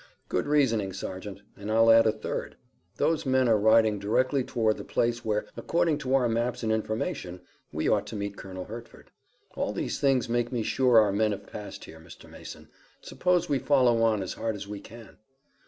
"Good reasoning, Sergeant, and I'll add a third. Those men are riding directly toward the place where, according to our maps and information, we ought to meet Colonel Hertford." "All these things make me sure our men have passed here, Mr. Mason. Suppose we follow on as hard as we can?"